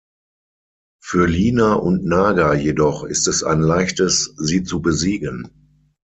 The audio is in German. Für Lina und Naga jedoch ist es ein Leichtes, sie zu besiegen.